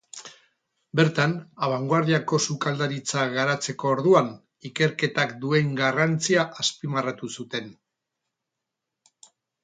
Bertan, abangoardiako sukaldaritza garatzeko orduan ikerketak duen garrantzia azpimarratu zuten.